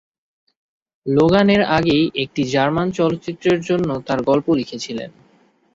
Logan এর আগেই একটি জার্মান চলচ্চিত্রের জন্য তার গল্পটি লিখেছিলেন।